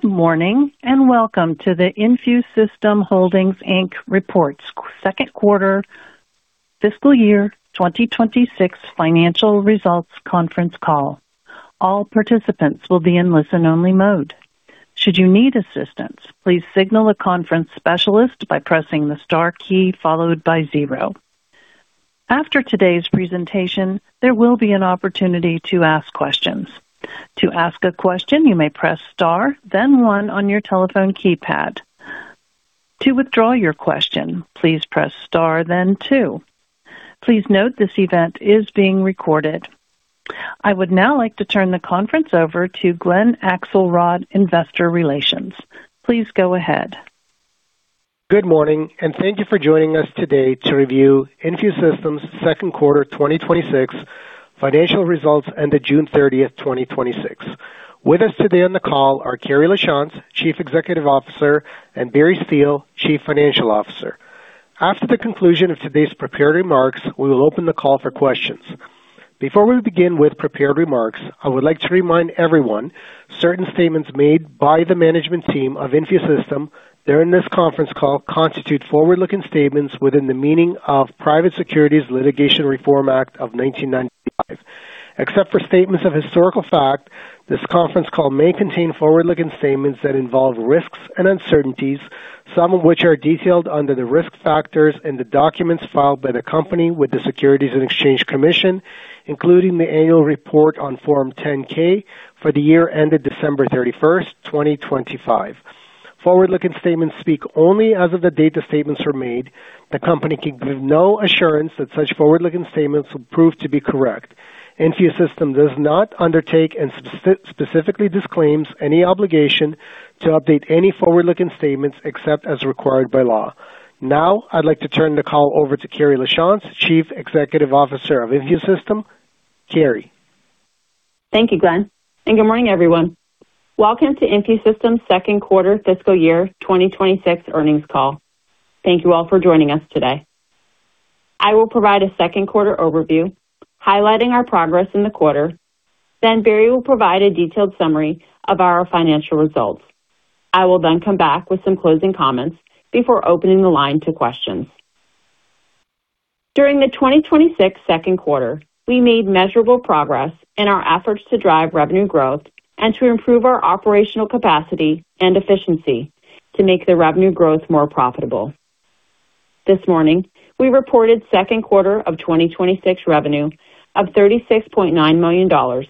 Good morning, welcome to the InfuSystem Holdings, Inc. Reports Second Quarter Fiscal Year 2026 Financial Results Conference Call. All participants will be in listen-only mode. Should you need assistance, please signal a conference specialist by pressing the star key followed by zero. After today's presentation, there will be an opportunity to ask questions. To ask a question, you may press star, then one on your telephone keypad. To withdraw your question, please press star, then two. Please note this event is being recorded. I would now like to turn the conference over to Glen Akselrod, Investor Relations. Please go ahead. Good morning, thank you for joining us today to review InfuSystem's second quarter 2026 financial results ended June 30th, 2026. With us today on the call are Carrie Lachance, Chief Executive Officer, and Barry Steele, Chief Financial Officer. After the conclusion of today's prepared remarks, we will open the call for questions. Before we begin with prepared remarks, I would like to remind everyone, certain statements made by the management team of InfuSystem during this conference call constitute forward-looking statements within the meaning of Private Securities Litigation Reform Act of 1995. Except for statements of historical fact, this conference call may contain forward-looking statements that involve risks and uncertainties, some of which are detailed under the risk factors in the documents filed by the company with the Securities and Exchange Commission, including the annual report on Form 10-K for the year ended December 31st, 2025. Forward-looking statements speak only as of the date the statements are made. The company can give no assurance that such forward-looking statements will prove to be correct. InfuSystem does not undertake and specifically disclaims any obligation to update any forward-looking statements except as required by law. Now, I'd like to turn the call over to Carrie Lachance, Chief Executive Officer of InfuSystem. Carrie. Thank you, Glen, good morning, everyone. Welcome to InfuSystem's second quarter fiscal year 2026 earnings call. Thank you all for joining us today. I will provide a second quarter overview, highlighting our progress in the quarter. Then Barry will provide a detailed summary of our financial results. I will then come back with some closing comments before opening the line to questions. During the 2026 second quarter, we made measurable progress in our efforts to drive revenue growth and to improve our operational capacity and efficiency to make the revenue growth more profitable. This morning, we reported second quarter of 2026 revenue of $36.9 million.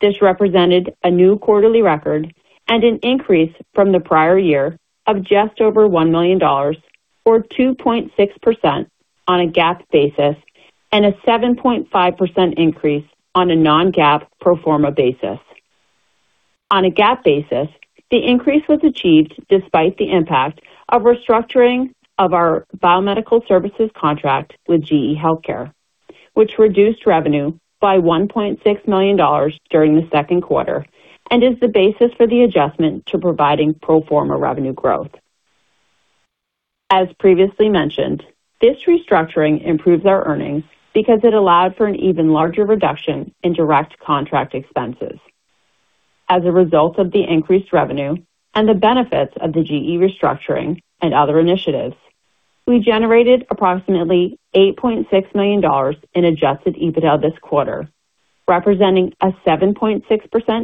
This represented a new quarterly record and an increase from the prior year of just over $1 million dollars or 2.6% on a GAAP basis and a 7.5% increase on a non-GAAP pro forma basis. On a GAAP basis, the increase was achieved despite the impact of restructuring of our biomedical services contract with GE HealthCare, which reduced revenue by $1.6 million during the second quarter and is the basis for the adjustment to providing pro forma revenue growth. As previously mentioned, this restructuring improves our earnings because it allowed for an even larger reduction in direct contract expenses. As a result of the increased revenue and the benefits of the GE HealthCare restructuring and other initiatives, we generated approximately $8.6 million in adjusted EBITDA of this quarter, representing a 7.6%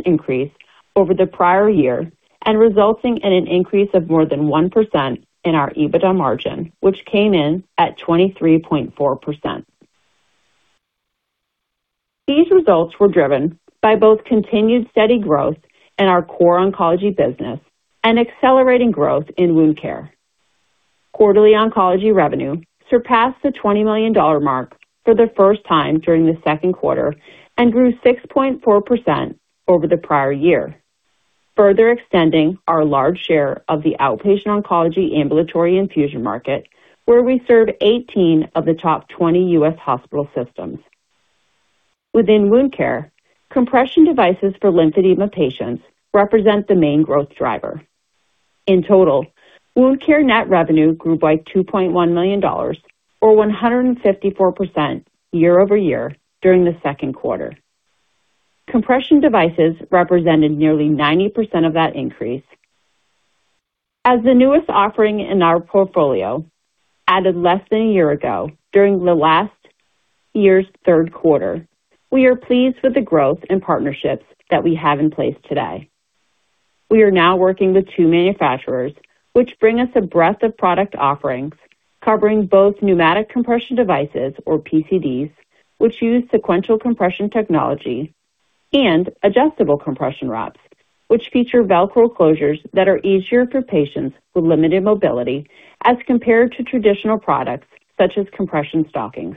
increase over the prior year and resulting in an increase of more than 1% in our EBITDA margin, which came in at 23.4%. These results were driven by both continued steady growth in our core Oncology business and accelerating growth in wound care. Quarterly Oncology revenue surpassed the $20 million mark for the first time during the second quarter and grew 6.4% over the prior year, further extending our large share of the outpatient oncology ambulatory infusion market, where we serve 18 of the top 20 U.S. hospital systems. Within wound care, compression devices for lymphedema patients represent the main growth driver. In total, wound care net revenue grew by $2.1 million or 154% year-over-year during the second quarter. Compression devices represented nearly 90% of that increase. As the newest offering in our portfolio, added less than a year ago during the last year's third quarter, we are pleased with the growth and partnerships that we have in place today. We are now working with two manufacturers, which bring us a breadth of product offerings covering both pneumatic compression devices or PCDs, which use sequential compression technology, and adjustable compression wraps, which feature Velcro closures that are easier for patients with limited mobility as compared to traditional products such as compression stockings.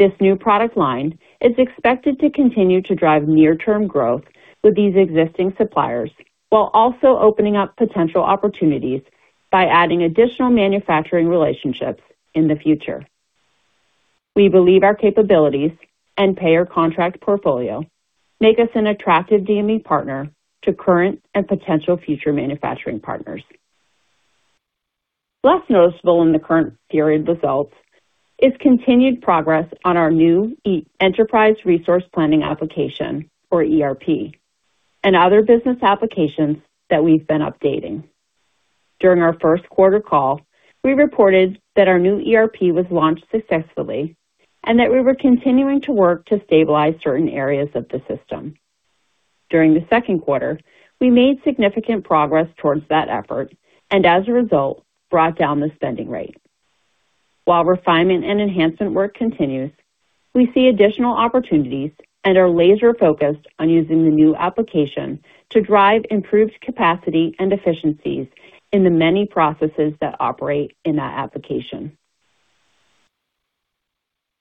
This new product line is expected to continue to drive near-term growth with these existing suppliers while also opening up potential opportunities by adding additional manufacturing relationships in the future. We believe our capabilities and payer contract portfolio make us an attractive DME partner to current and potential future manufacturing partners. Less noticeable in the current period results is continued progress on our new enterprise resource planning application, or ERP, and other business applications that we've been updating. During our first quarter call, we reported that our new ERP was launched successfully and that we were continuing to work to stabilize certain areas of the system. During the second quarter, we made significant progress towards that effort and as a result, brought down the spending rate. While refinement and enhancement work continues, we see additional opportunities and are laser-focused on using the new application to drive improved capacity and efficiencies in the many processes that operate in that application.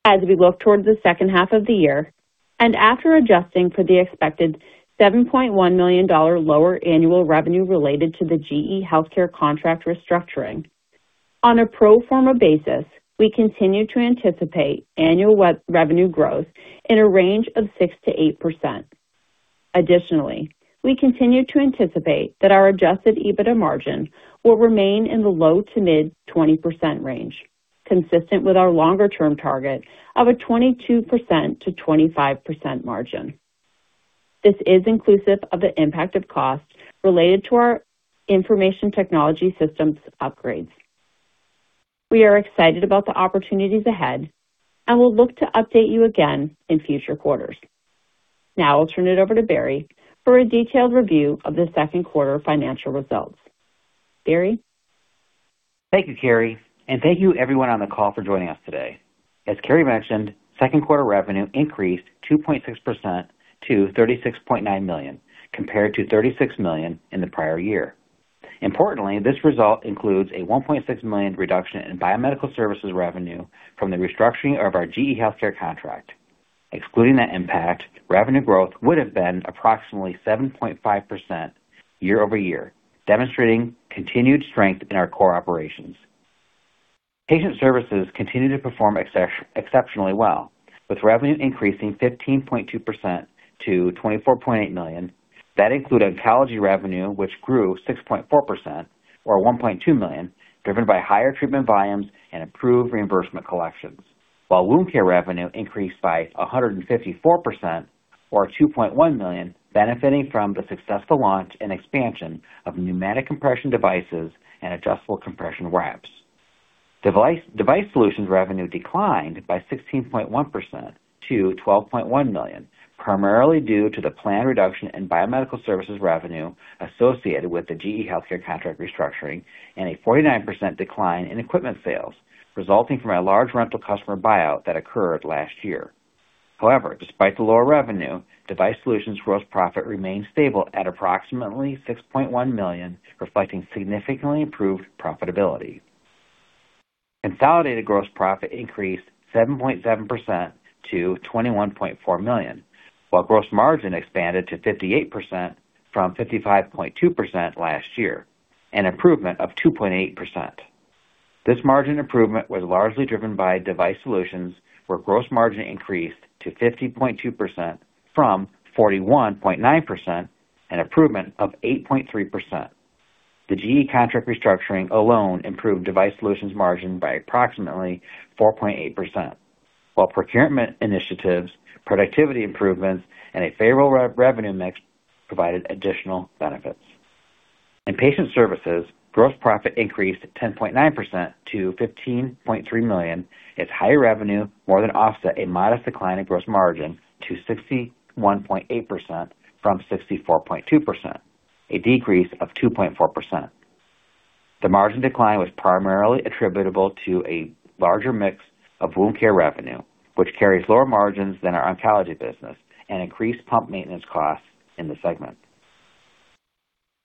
As we look towards the second half of the year, after adjusting for the expected $7.1 million lower annual revenue related to the GE HealthCare contract restructuring, on a pro forma basis, we continue to anticipate annual revenue growth in a range of 6%-8%. Additionally, we continue to anticipate that our adjusted EBITDA margin will remain in the low to mid 20% range, consistent with our longer-term target of a 22%-25% margin. This is inclusive of the impact of costs related to our information technology systems upgrades. We are excited about the opportunities ahead, and we'll look to update you again in future quarters. Now I'll turn it over to Barry for a detailed review of the second quarter financial results. Barry? Thank you, Carrie, thank you everyone on the call for joining us today. As Carrie mentioned, second quarter revenue increased 2.6% to $36.9 million, compared to $36 million in the prior year. Importantly, this result includes a $1.6 million reduction in biomedical services revenue from the restructuring of our GE HealthCare contract. Excluding that impact, revenue growth would have been approximately 7.5% year-over-year, demonstrating continued strength in our core operations. Patient services continued to perform exceptionally well, with revenue increasing 15.2% to $24.8 million. That included oncology revenue, which grew 6.4%, or $1.2 million, driven by higher treatment volumes and improved reimbursement collections. While wound care revenue increased by 154%, or $2.1 million, benefiting from the successful launch and expansion of pneumatic compression devices and adjustable compression wraps. Device Solutions revenue declined by 16.1% to $12.1 million, primarily due to the planned reduction in biomedical services revenue associated with the GE HealthCare contract restructuring and a 49% decline in equipment sales resulting from a large rental customer buyout that occurred last year. However, despite the lower revenue, Device Solutions gross profit remained stable at approximately $6.1 million, reflecting significantly improved profitability. Consolidated gross profit increased 7.7% to $21.4 million, while gross margin expanded to 58% from 55.2% last year, an improvement of 2.8%. This margin improvement was largely driven by Device Solutions, where gross margin increased to 50.2%, from 41.9%, an improvement of 8.3%. The GE HealthCare contract restructuring alone improved Device Solutions margin by approximately 4.8%, while procurement initiatives, productivity improvements, and a favorable revenue mix provided additional benefits. In patient services, gross profit increased 10.9% to $15.3 million as higher revenue more than offset a modest decline in gross margin to 61.8%, from 64.2%, a decrease of 2.4%. The margin decline was primarily attributable to a larger mix of wound care revenue, which carries lower margins than our Oncology business, and increased pump maintenance costs in the segment.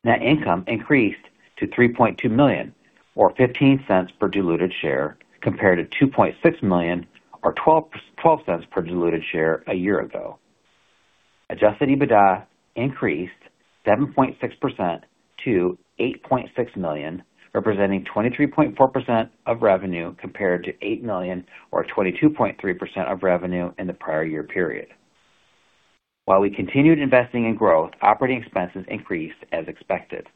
Net income increased to $3.2 million, or $0.15 per diluted share, compared to $2.6 million or $0.12 per diluted share a year ago. Adjusted EBITDA increased 7.6% to $8.6 million, representing 23.4% of revenue, compared to $8 million or 22.3% of revenue in the prior year period. While we continued investing in growth, operating expenses increased as expected.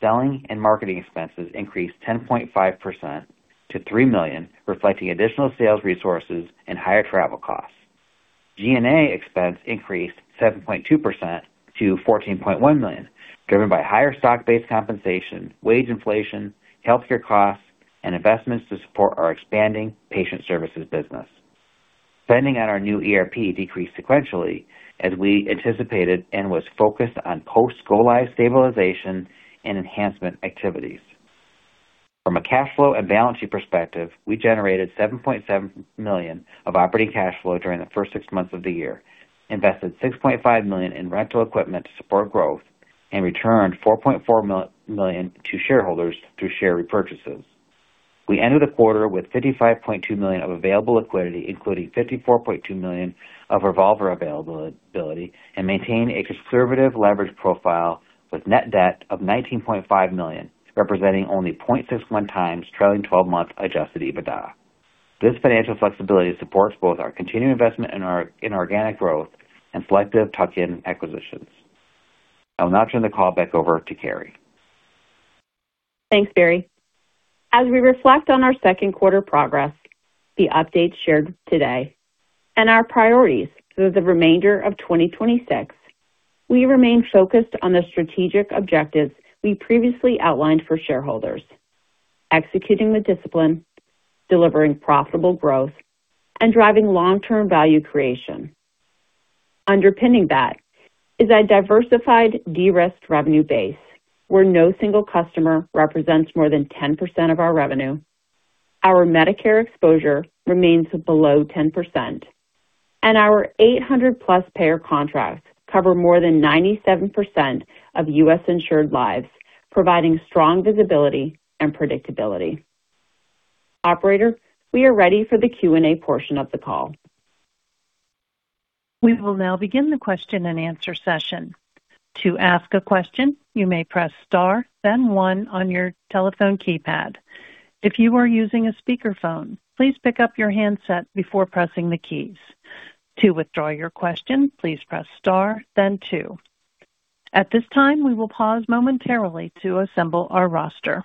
Selling and marketing expenses increased 10.5% to $3 million, reflecting additional sales resources and higher travel costs. G&A expense increased 7.2% to $14.1 million, driven by higher stock-based compensation, wage inflation, healthcare costs, and investments to support our expanding patient services business. Spending on our new ERP decreased sequentially as we anticipated and was focused on post-go-live stabilization and enhancement activities. From a cash flow and balance sheet perspective, we generated $7.7 million of operating cash flow during the first six months of the year, invested $6.5 million in rental equipment to support growth, and returned $4.4 million to shareholders through share repurchases. We ended the quarter with $55.2 million of available liquidity, including $54.2 million of revolver availability, and maintain a conservative leverage profile with net debt of $19.5 million, representing only 0.61 times trailing 12-month adjusted EBITDA. This financial flexibility supports both our continued investment in organic growth and selective tuck-in acquisitions. I'll now turn the call back over to Carrie. Thanks, Barry. As we reflect on our second quarter progress, the updates shared today, and our priorities for the remainder of 2026, we remain focused on the strategic objectives we previously outlined for shareholders. Executing with discipline, delivering profitable growth, and driving long-term value creation. Underpinning that is a diversified, de-risked revenue base, where no single customer represents more than 10% of our revenue. Our Medicare exposure remains below 10%, and our 800+ payer contracts cover more than 97% of U.S. insured lives, providing strong visibility and predictability. Operator, we are ready for the Q&A portion of the call. We will now begin the question-and-answer session. To ask a question, you may press star, then one on your telephone keypad. If you are using a speakerphone, please pick up your handset before pressing the keys. To withdraw your question, please press star, then two. At this time, we will pause momentarily to assemble our roster.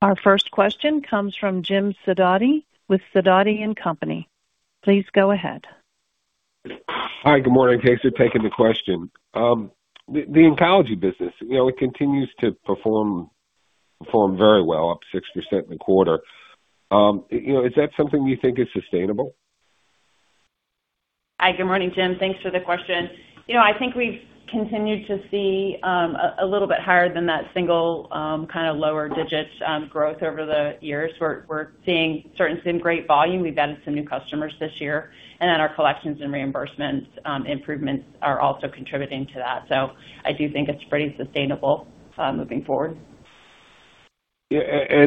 Our first question comes from Jim Sidoti with Sidoti & Company. Please go ahead. Hi, good morning. Thanks for taking the question. The Oncology business, it continues to perform very well, up 6% in the quarter. Is that something you think is sustainable? Hi, good morning, Jim. Thanks for the question. I think we've continued to see a little bit higher than that single kind of lower digits growth over the years. We're seeing certain great volume. We've added some new customers this year, and then our collections and reimbursements improvements are also contributing to that. I do think it's pretty sustainable moving forward. Yeah.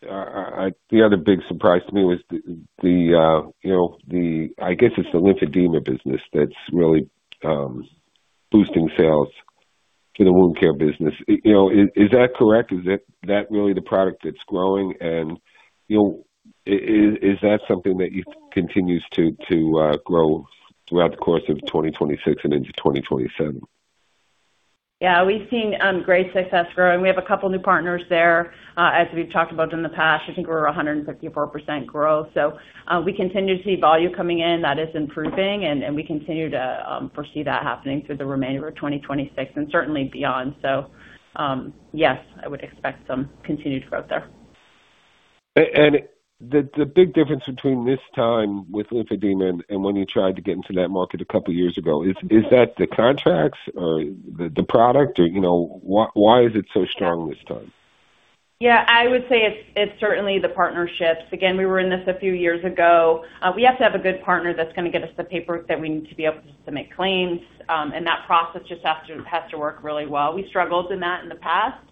The other big surprise to me was the, I guess it's the lymphedema business that's really boosting sales for the wound care business. Is that correct? Is that really the product that's growing? Is that something that continues to grow throughout the course of 2026 and into 2027? Yeah, we've seen great success growing. We have a couple of new partners there. As we've talked about in the past, I think we're 154% growth. We continue to see volume coming in that is improving, and we continue to foresee that happening through the remainder of 2026 and certainly beyond. Yes, I would expect some continued growth there. The big difference between this time with lymphedema and when you tried to get into that market a couple of years ago, is that the contracts or the product or, why is it so strong this time? Yeah. I would say it's certainly the partnerships. Again, we were in this a few years ago. We have to have a good partner that's going to get us the paperwork that we need to be able to submit claims. That process just has to work really well. We struggled in that in the past.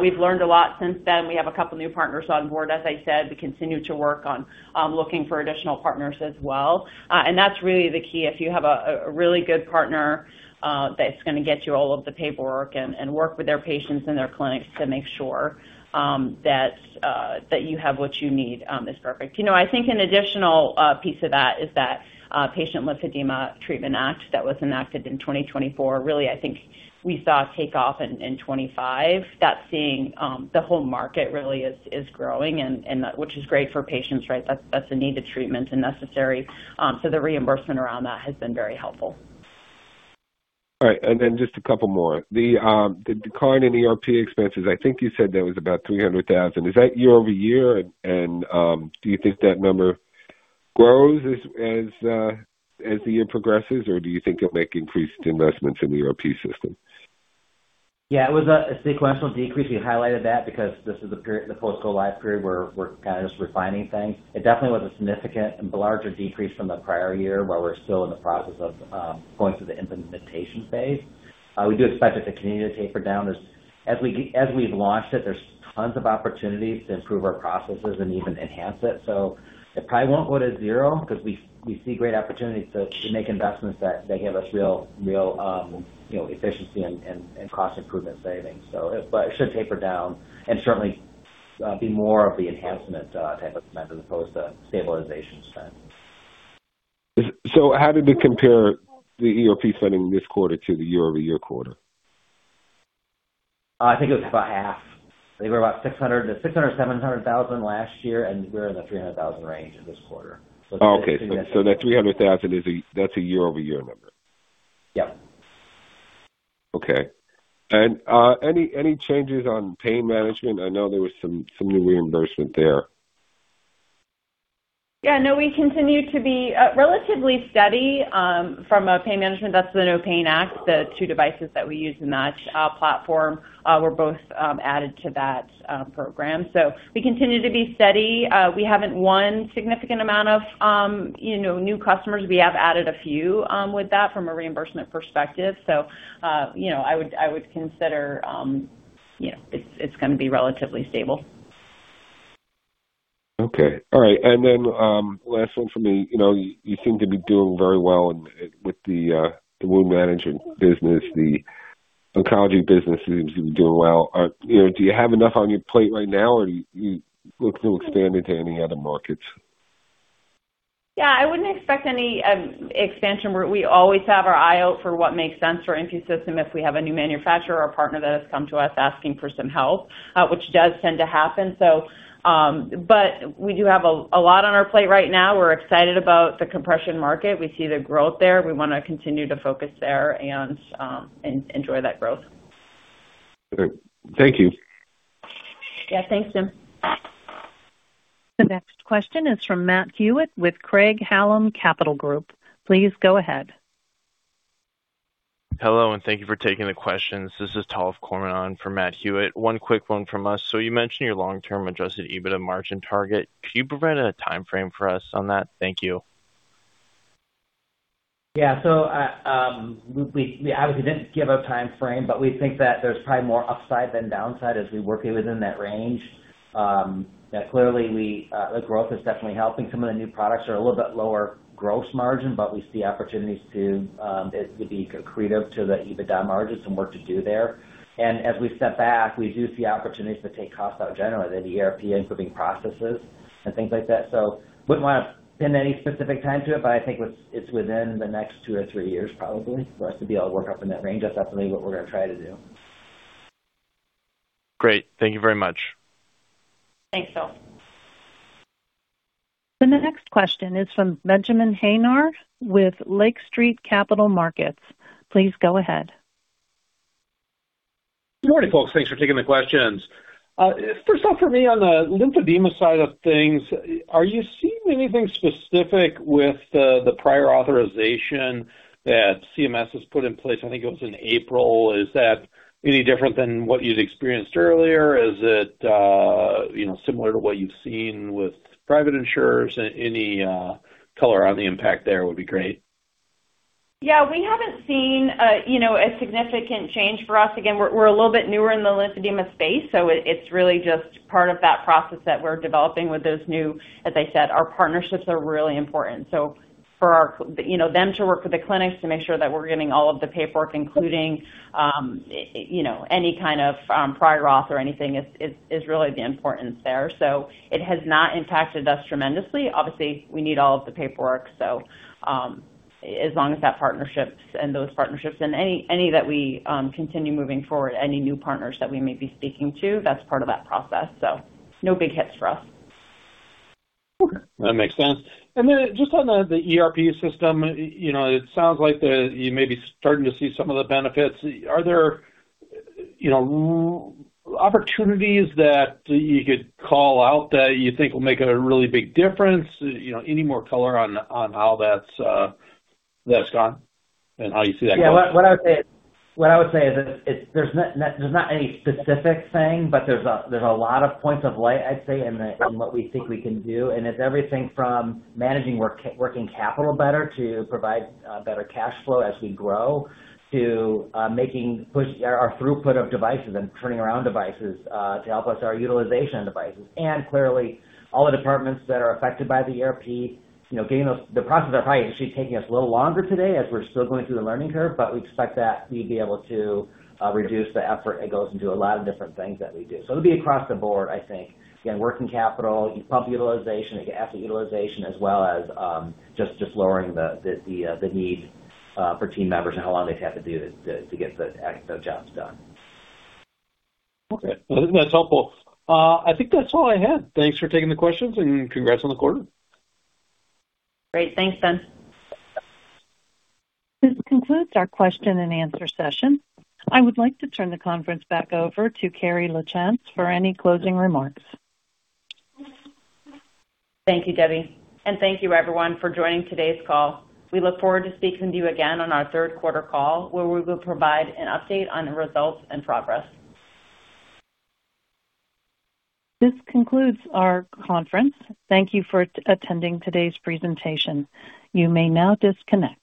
We've learned a lot since then. We have a couple of new partners on board, as I said. We continue to work on looking for additional partners as well. That's really the key. If you have a really good partner that's going to get you all of the paperwork and work with their patients and their clinics to make sure that you have what you need is perfect. I think an additional piece of that is that Patient Lymphedema Treatment Act that was enacted in 2024, really, I think we saw take off in 2025. That's seeing the whole market really is growing, which is great for patients, right? That's a needed treatment and necessary. The reimbursement around that has been very helpful. All right. Just a couple more. The decline in ERP expenses, I think you said that was about $300,000. Is that year-over-year? Do you think that number grows as the year progresses? Do you think you'll make increased investments in the ERP system? Yeah. It was a sequential decrease. We highlighted that because this is the post-go-live period where we're kind of just refining things. It definitely was a significant and larger decrease from the prior year, while we're still in the process of going through the implementation phase. We do expect it to continue to taper down as we've launched it, there's tons of opportunities to improve our processes and even enhance it. It probably won't go to zero because we see great opportunities to make investments that give us real efficiency and cost improvement savings. It should taper down and certainly be more of the enhancement type of spend as opposed to stabilization spend. How did it compare the ERP spending this quarter to the year-over-year quarter? I think it was about half. They were about $600,000-$700,000 last year, we're in the $300,000 range this quarter. Okay. That $300,000, that's a year-over-year number. Yeah. Okay. Any changes on pain management? I know there was some new reimbursement there. Yeah. No, we continue to be relatively steady from a pain management. That's the NOPAIN Act, the two devices that we use in that platform were both added to that program. We continue to be steady. We haven't won a significant amount of new customers. We have added a few with that from a reimbursement perspective. I would consider it's going to be relatively stable. Okay. All right. Last one for me. You seem to be doing very well with the wound management business, the Oncology business seems to be doing well. Do you have enough on your plate right now, or are you looking to expand into any other markets? Yeah, I wouldn't expect any expansion route. We always have our eye out for what makes sense for InfuSystem if we have a new manufacturer or partner that has come to us asking for some help, which does tend to happen. We do have a lot on our plate right now. We're excited about the compression market. We see the growth there. We want to continue to focus there and enjoy that growth. Great. Thank you. Yeah. Thanks, Jim. The next question is from Matt Hewitt with Craig-Hallum Capital Group. Please go ahead. Hello, and thank you for taking the questions. This is Tal Cohen on for Matt Hewitt. One quick one from us. You mentioned your long-term adjusted EBITDA margin target. Could you provide a timeframe for us on that? Thank you. Yeah. We obviously didn't give a timeframe, but we think that there's probably more upside than downside as we work within that range. That clearly the growth is definitely helping. Some of the new products are a little bit lower gross margin, but we see opportunities to be accretive to the EBITDA margin, some work to do there. As we step back, we do see opportunities to take costs out generally, the ERP improving processes and things like that. Wouldn't want to pin any specific time to it, but I think it's within the next two or three years probably for us to be able to work up in that range. That's definitely what we're going to try to do. Great. Thank you very much. Thanks, Tal. The next question is from Benjamin Haynor with Lake Street Capital Markets. Please go ahead. Good morning, folks. Thanks for taking the questions. First off for me on the lymphedema side of things, are you seeing anything specific with the prior authorization that CMS has put in place? I think it was in April. Is that any different than what you'd experienced earlier? Is it similar to what you've seen with private insurers? Any color on the impact there would be great. Yeah, we haven't seen a significant change for us. Again, we're a little bit newer in the lymphedema space, so it's really just part of that process that we're developing with those new, as I said, our partnerships are really important. For them to work with the clinics to make sure that we're getting all of the paperwork, including any kind of prior authorization or anything is really the importance there. It has not impacted us tremendously. Obviously, we need all of the paperwork, so as long as those partnerships and any that we continue moving forward, any new partners that we may be speaking to, that's part of that process. No big hits for us. Okay. That makes sense. Just on the ERP system, it sounds like you may be starting to see some of the benefits. Are there opportunities that you could call out that you think will make a really big difference? Any more color on how that's gone and how you see that going? Yeah. What I would say is that there's not any specific thing, but there's a lot of points of light, I'd say, in what we think we can do. It's everything from managing working capital better to provide better cash flow as we grow to making push our throughput of devices and turning around devices to help us our utilization of devices. Clearly all the departments that are affected by the ERP, the process are probably actually taking us a little longer today as we're still going through the learning curve, but we expect that we'd be able to reduce the effort that goes into a lot of different things that we do. It'll be across the board, I think. Again, working capital, pump utilization, asset utilization, as well as just lowering the need for team members and how long they have to do to get the jobs done. Okay. That's helpful. I think that's all I had. Thanks for taking the questions and congrats on the quarter. Great. Thanks, Ben. This concludes our question-and-answer session. I would like to turn the conference back over to Carrie Lachance for any closing remarks. Thank you, Debbie. Thank you everyone for joining today's call. We look forward to speaking to you again on our third quarter call, where we will provide an update on results and progress. This concludes our conference. Thank you for attending today's presentation. You may now disconnect.